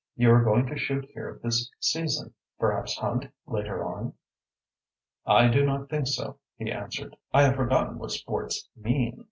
You are going to shoot here this season perhaps hunt, later on?" "I do not think so," he answered. "I have forgotten what sports mean.